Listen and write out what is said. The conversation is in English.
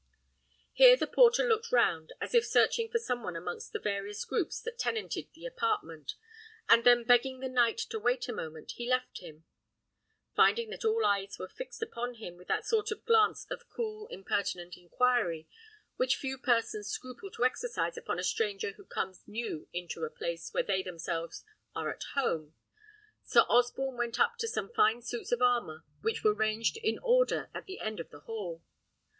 Here the porter looked round, as if searching for some one amongst the various groups that tenanted the apartment; and then begging the knight to wait a moment, he left him. Finding that all eyes were fixed upon him with that sort of glance of cool, impertinent inquiry, which few persons scruple to exercise upon a stranger who comes new into a place where they themselves are at home, Sir Osborne went up to some fine suits of armour which were ranged in order at the end of the hall.